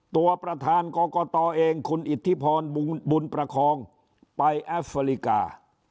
ตัวประธานก่อก่อก่อตอเองคุณอิทธิพรบุญพระคองไปแอฟราลิกา